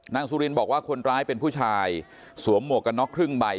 สุรินบอกว่าคนร้ายเป็นผู้ชายสวมหมวกกันน็อกครึ่งใบ